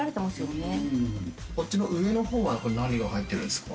こっちの上の方は何が入ってるんですか？